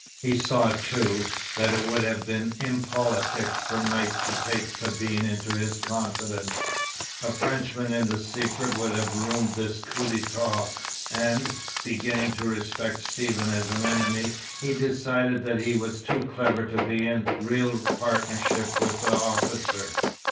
He saw too, that it would have been impolitic for Knight to take Sabine into his confidence. A Frenchman in the secret would have ruined this coup d'état; and, beginning to respect Stephen as an enemy, he decided that he was too clever to be in real partnership with the officer.